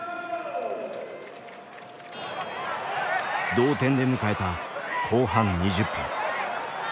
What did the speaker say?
同点で迎えた後半２０分。